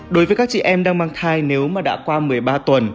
đối với các chị em đang mang thai nếu mà đã qua một mươi ba tuần